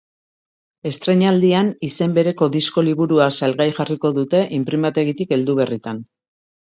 Estreinaldian, izen bereko disko-liburua salgai jarriko dute, inprimategitik heldu berritan.